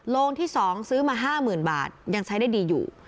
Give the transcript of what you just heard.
โรงที่๒ซื้อมา๕๐๐๐บาทยังใช้ได้ดีอยู่